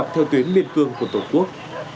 theo tuyến liên tương của tổ quốc